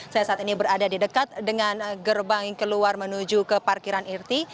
saya saat ini berada di dekat dengan gerbang yang keluar menuju ke parkiran irti